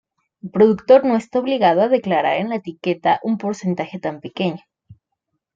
El productor no está obligado a declarar en la etiqueta un porcentaje tan pequeño.